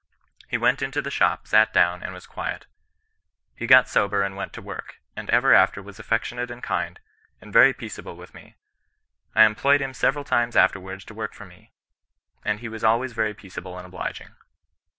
He went into the shop, sat down, and was quiet. He got sober and went to work, and ever after was affectionate and kind, and very peaceable with me. I employed him several times afterwards to work for me, and he was always very peaceable and obliging.